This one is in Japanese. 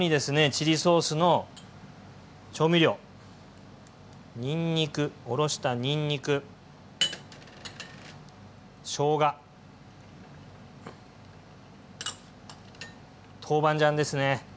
チリソースの調味料にんにくおろしたにんにくしょうが豆板醤ですね。